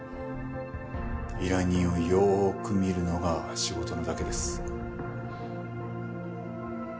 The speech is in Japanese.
依頼人をよーく見るのが仕事なだけです。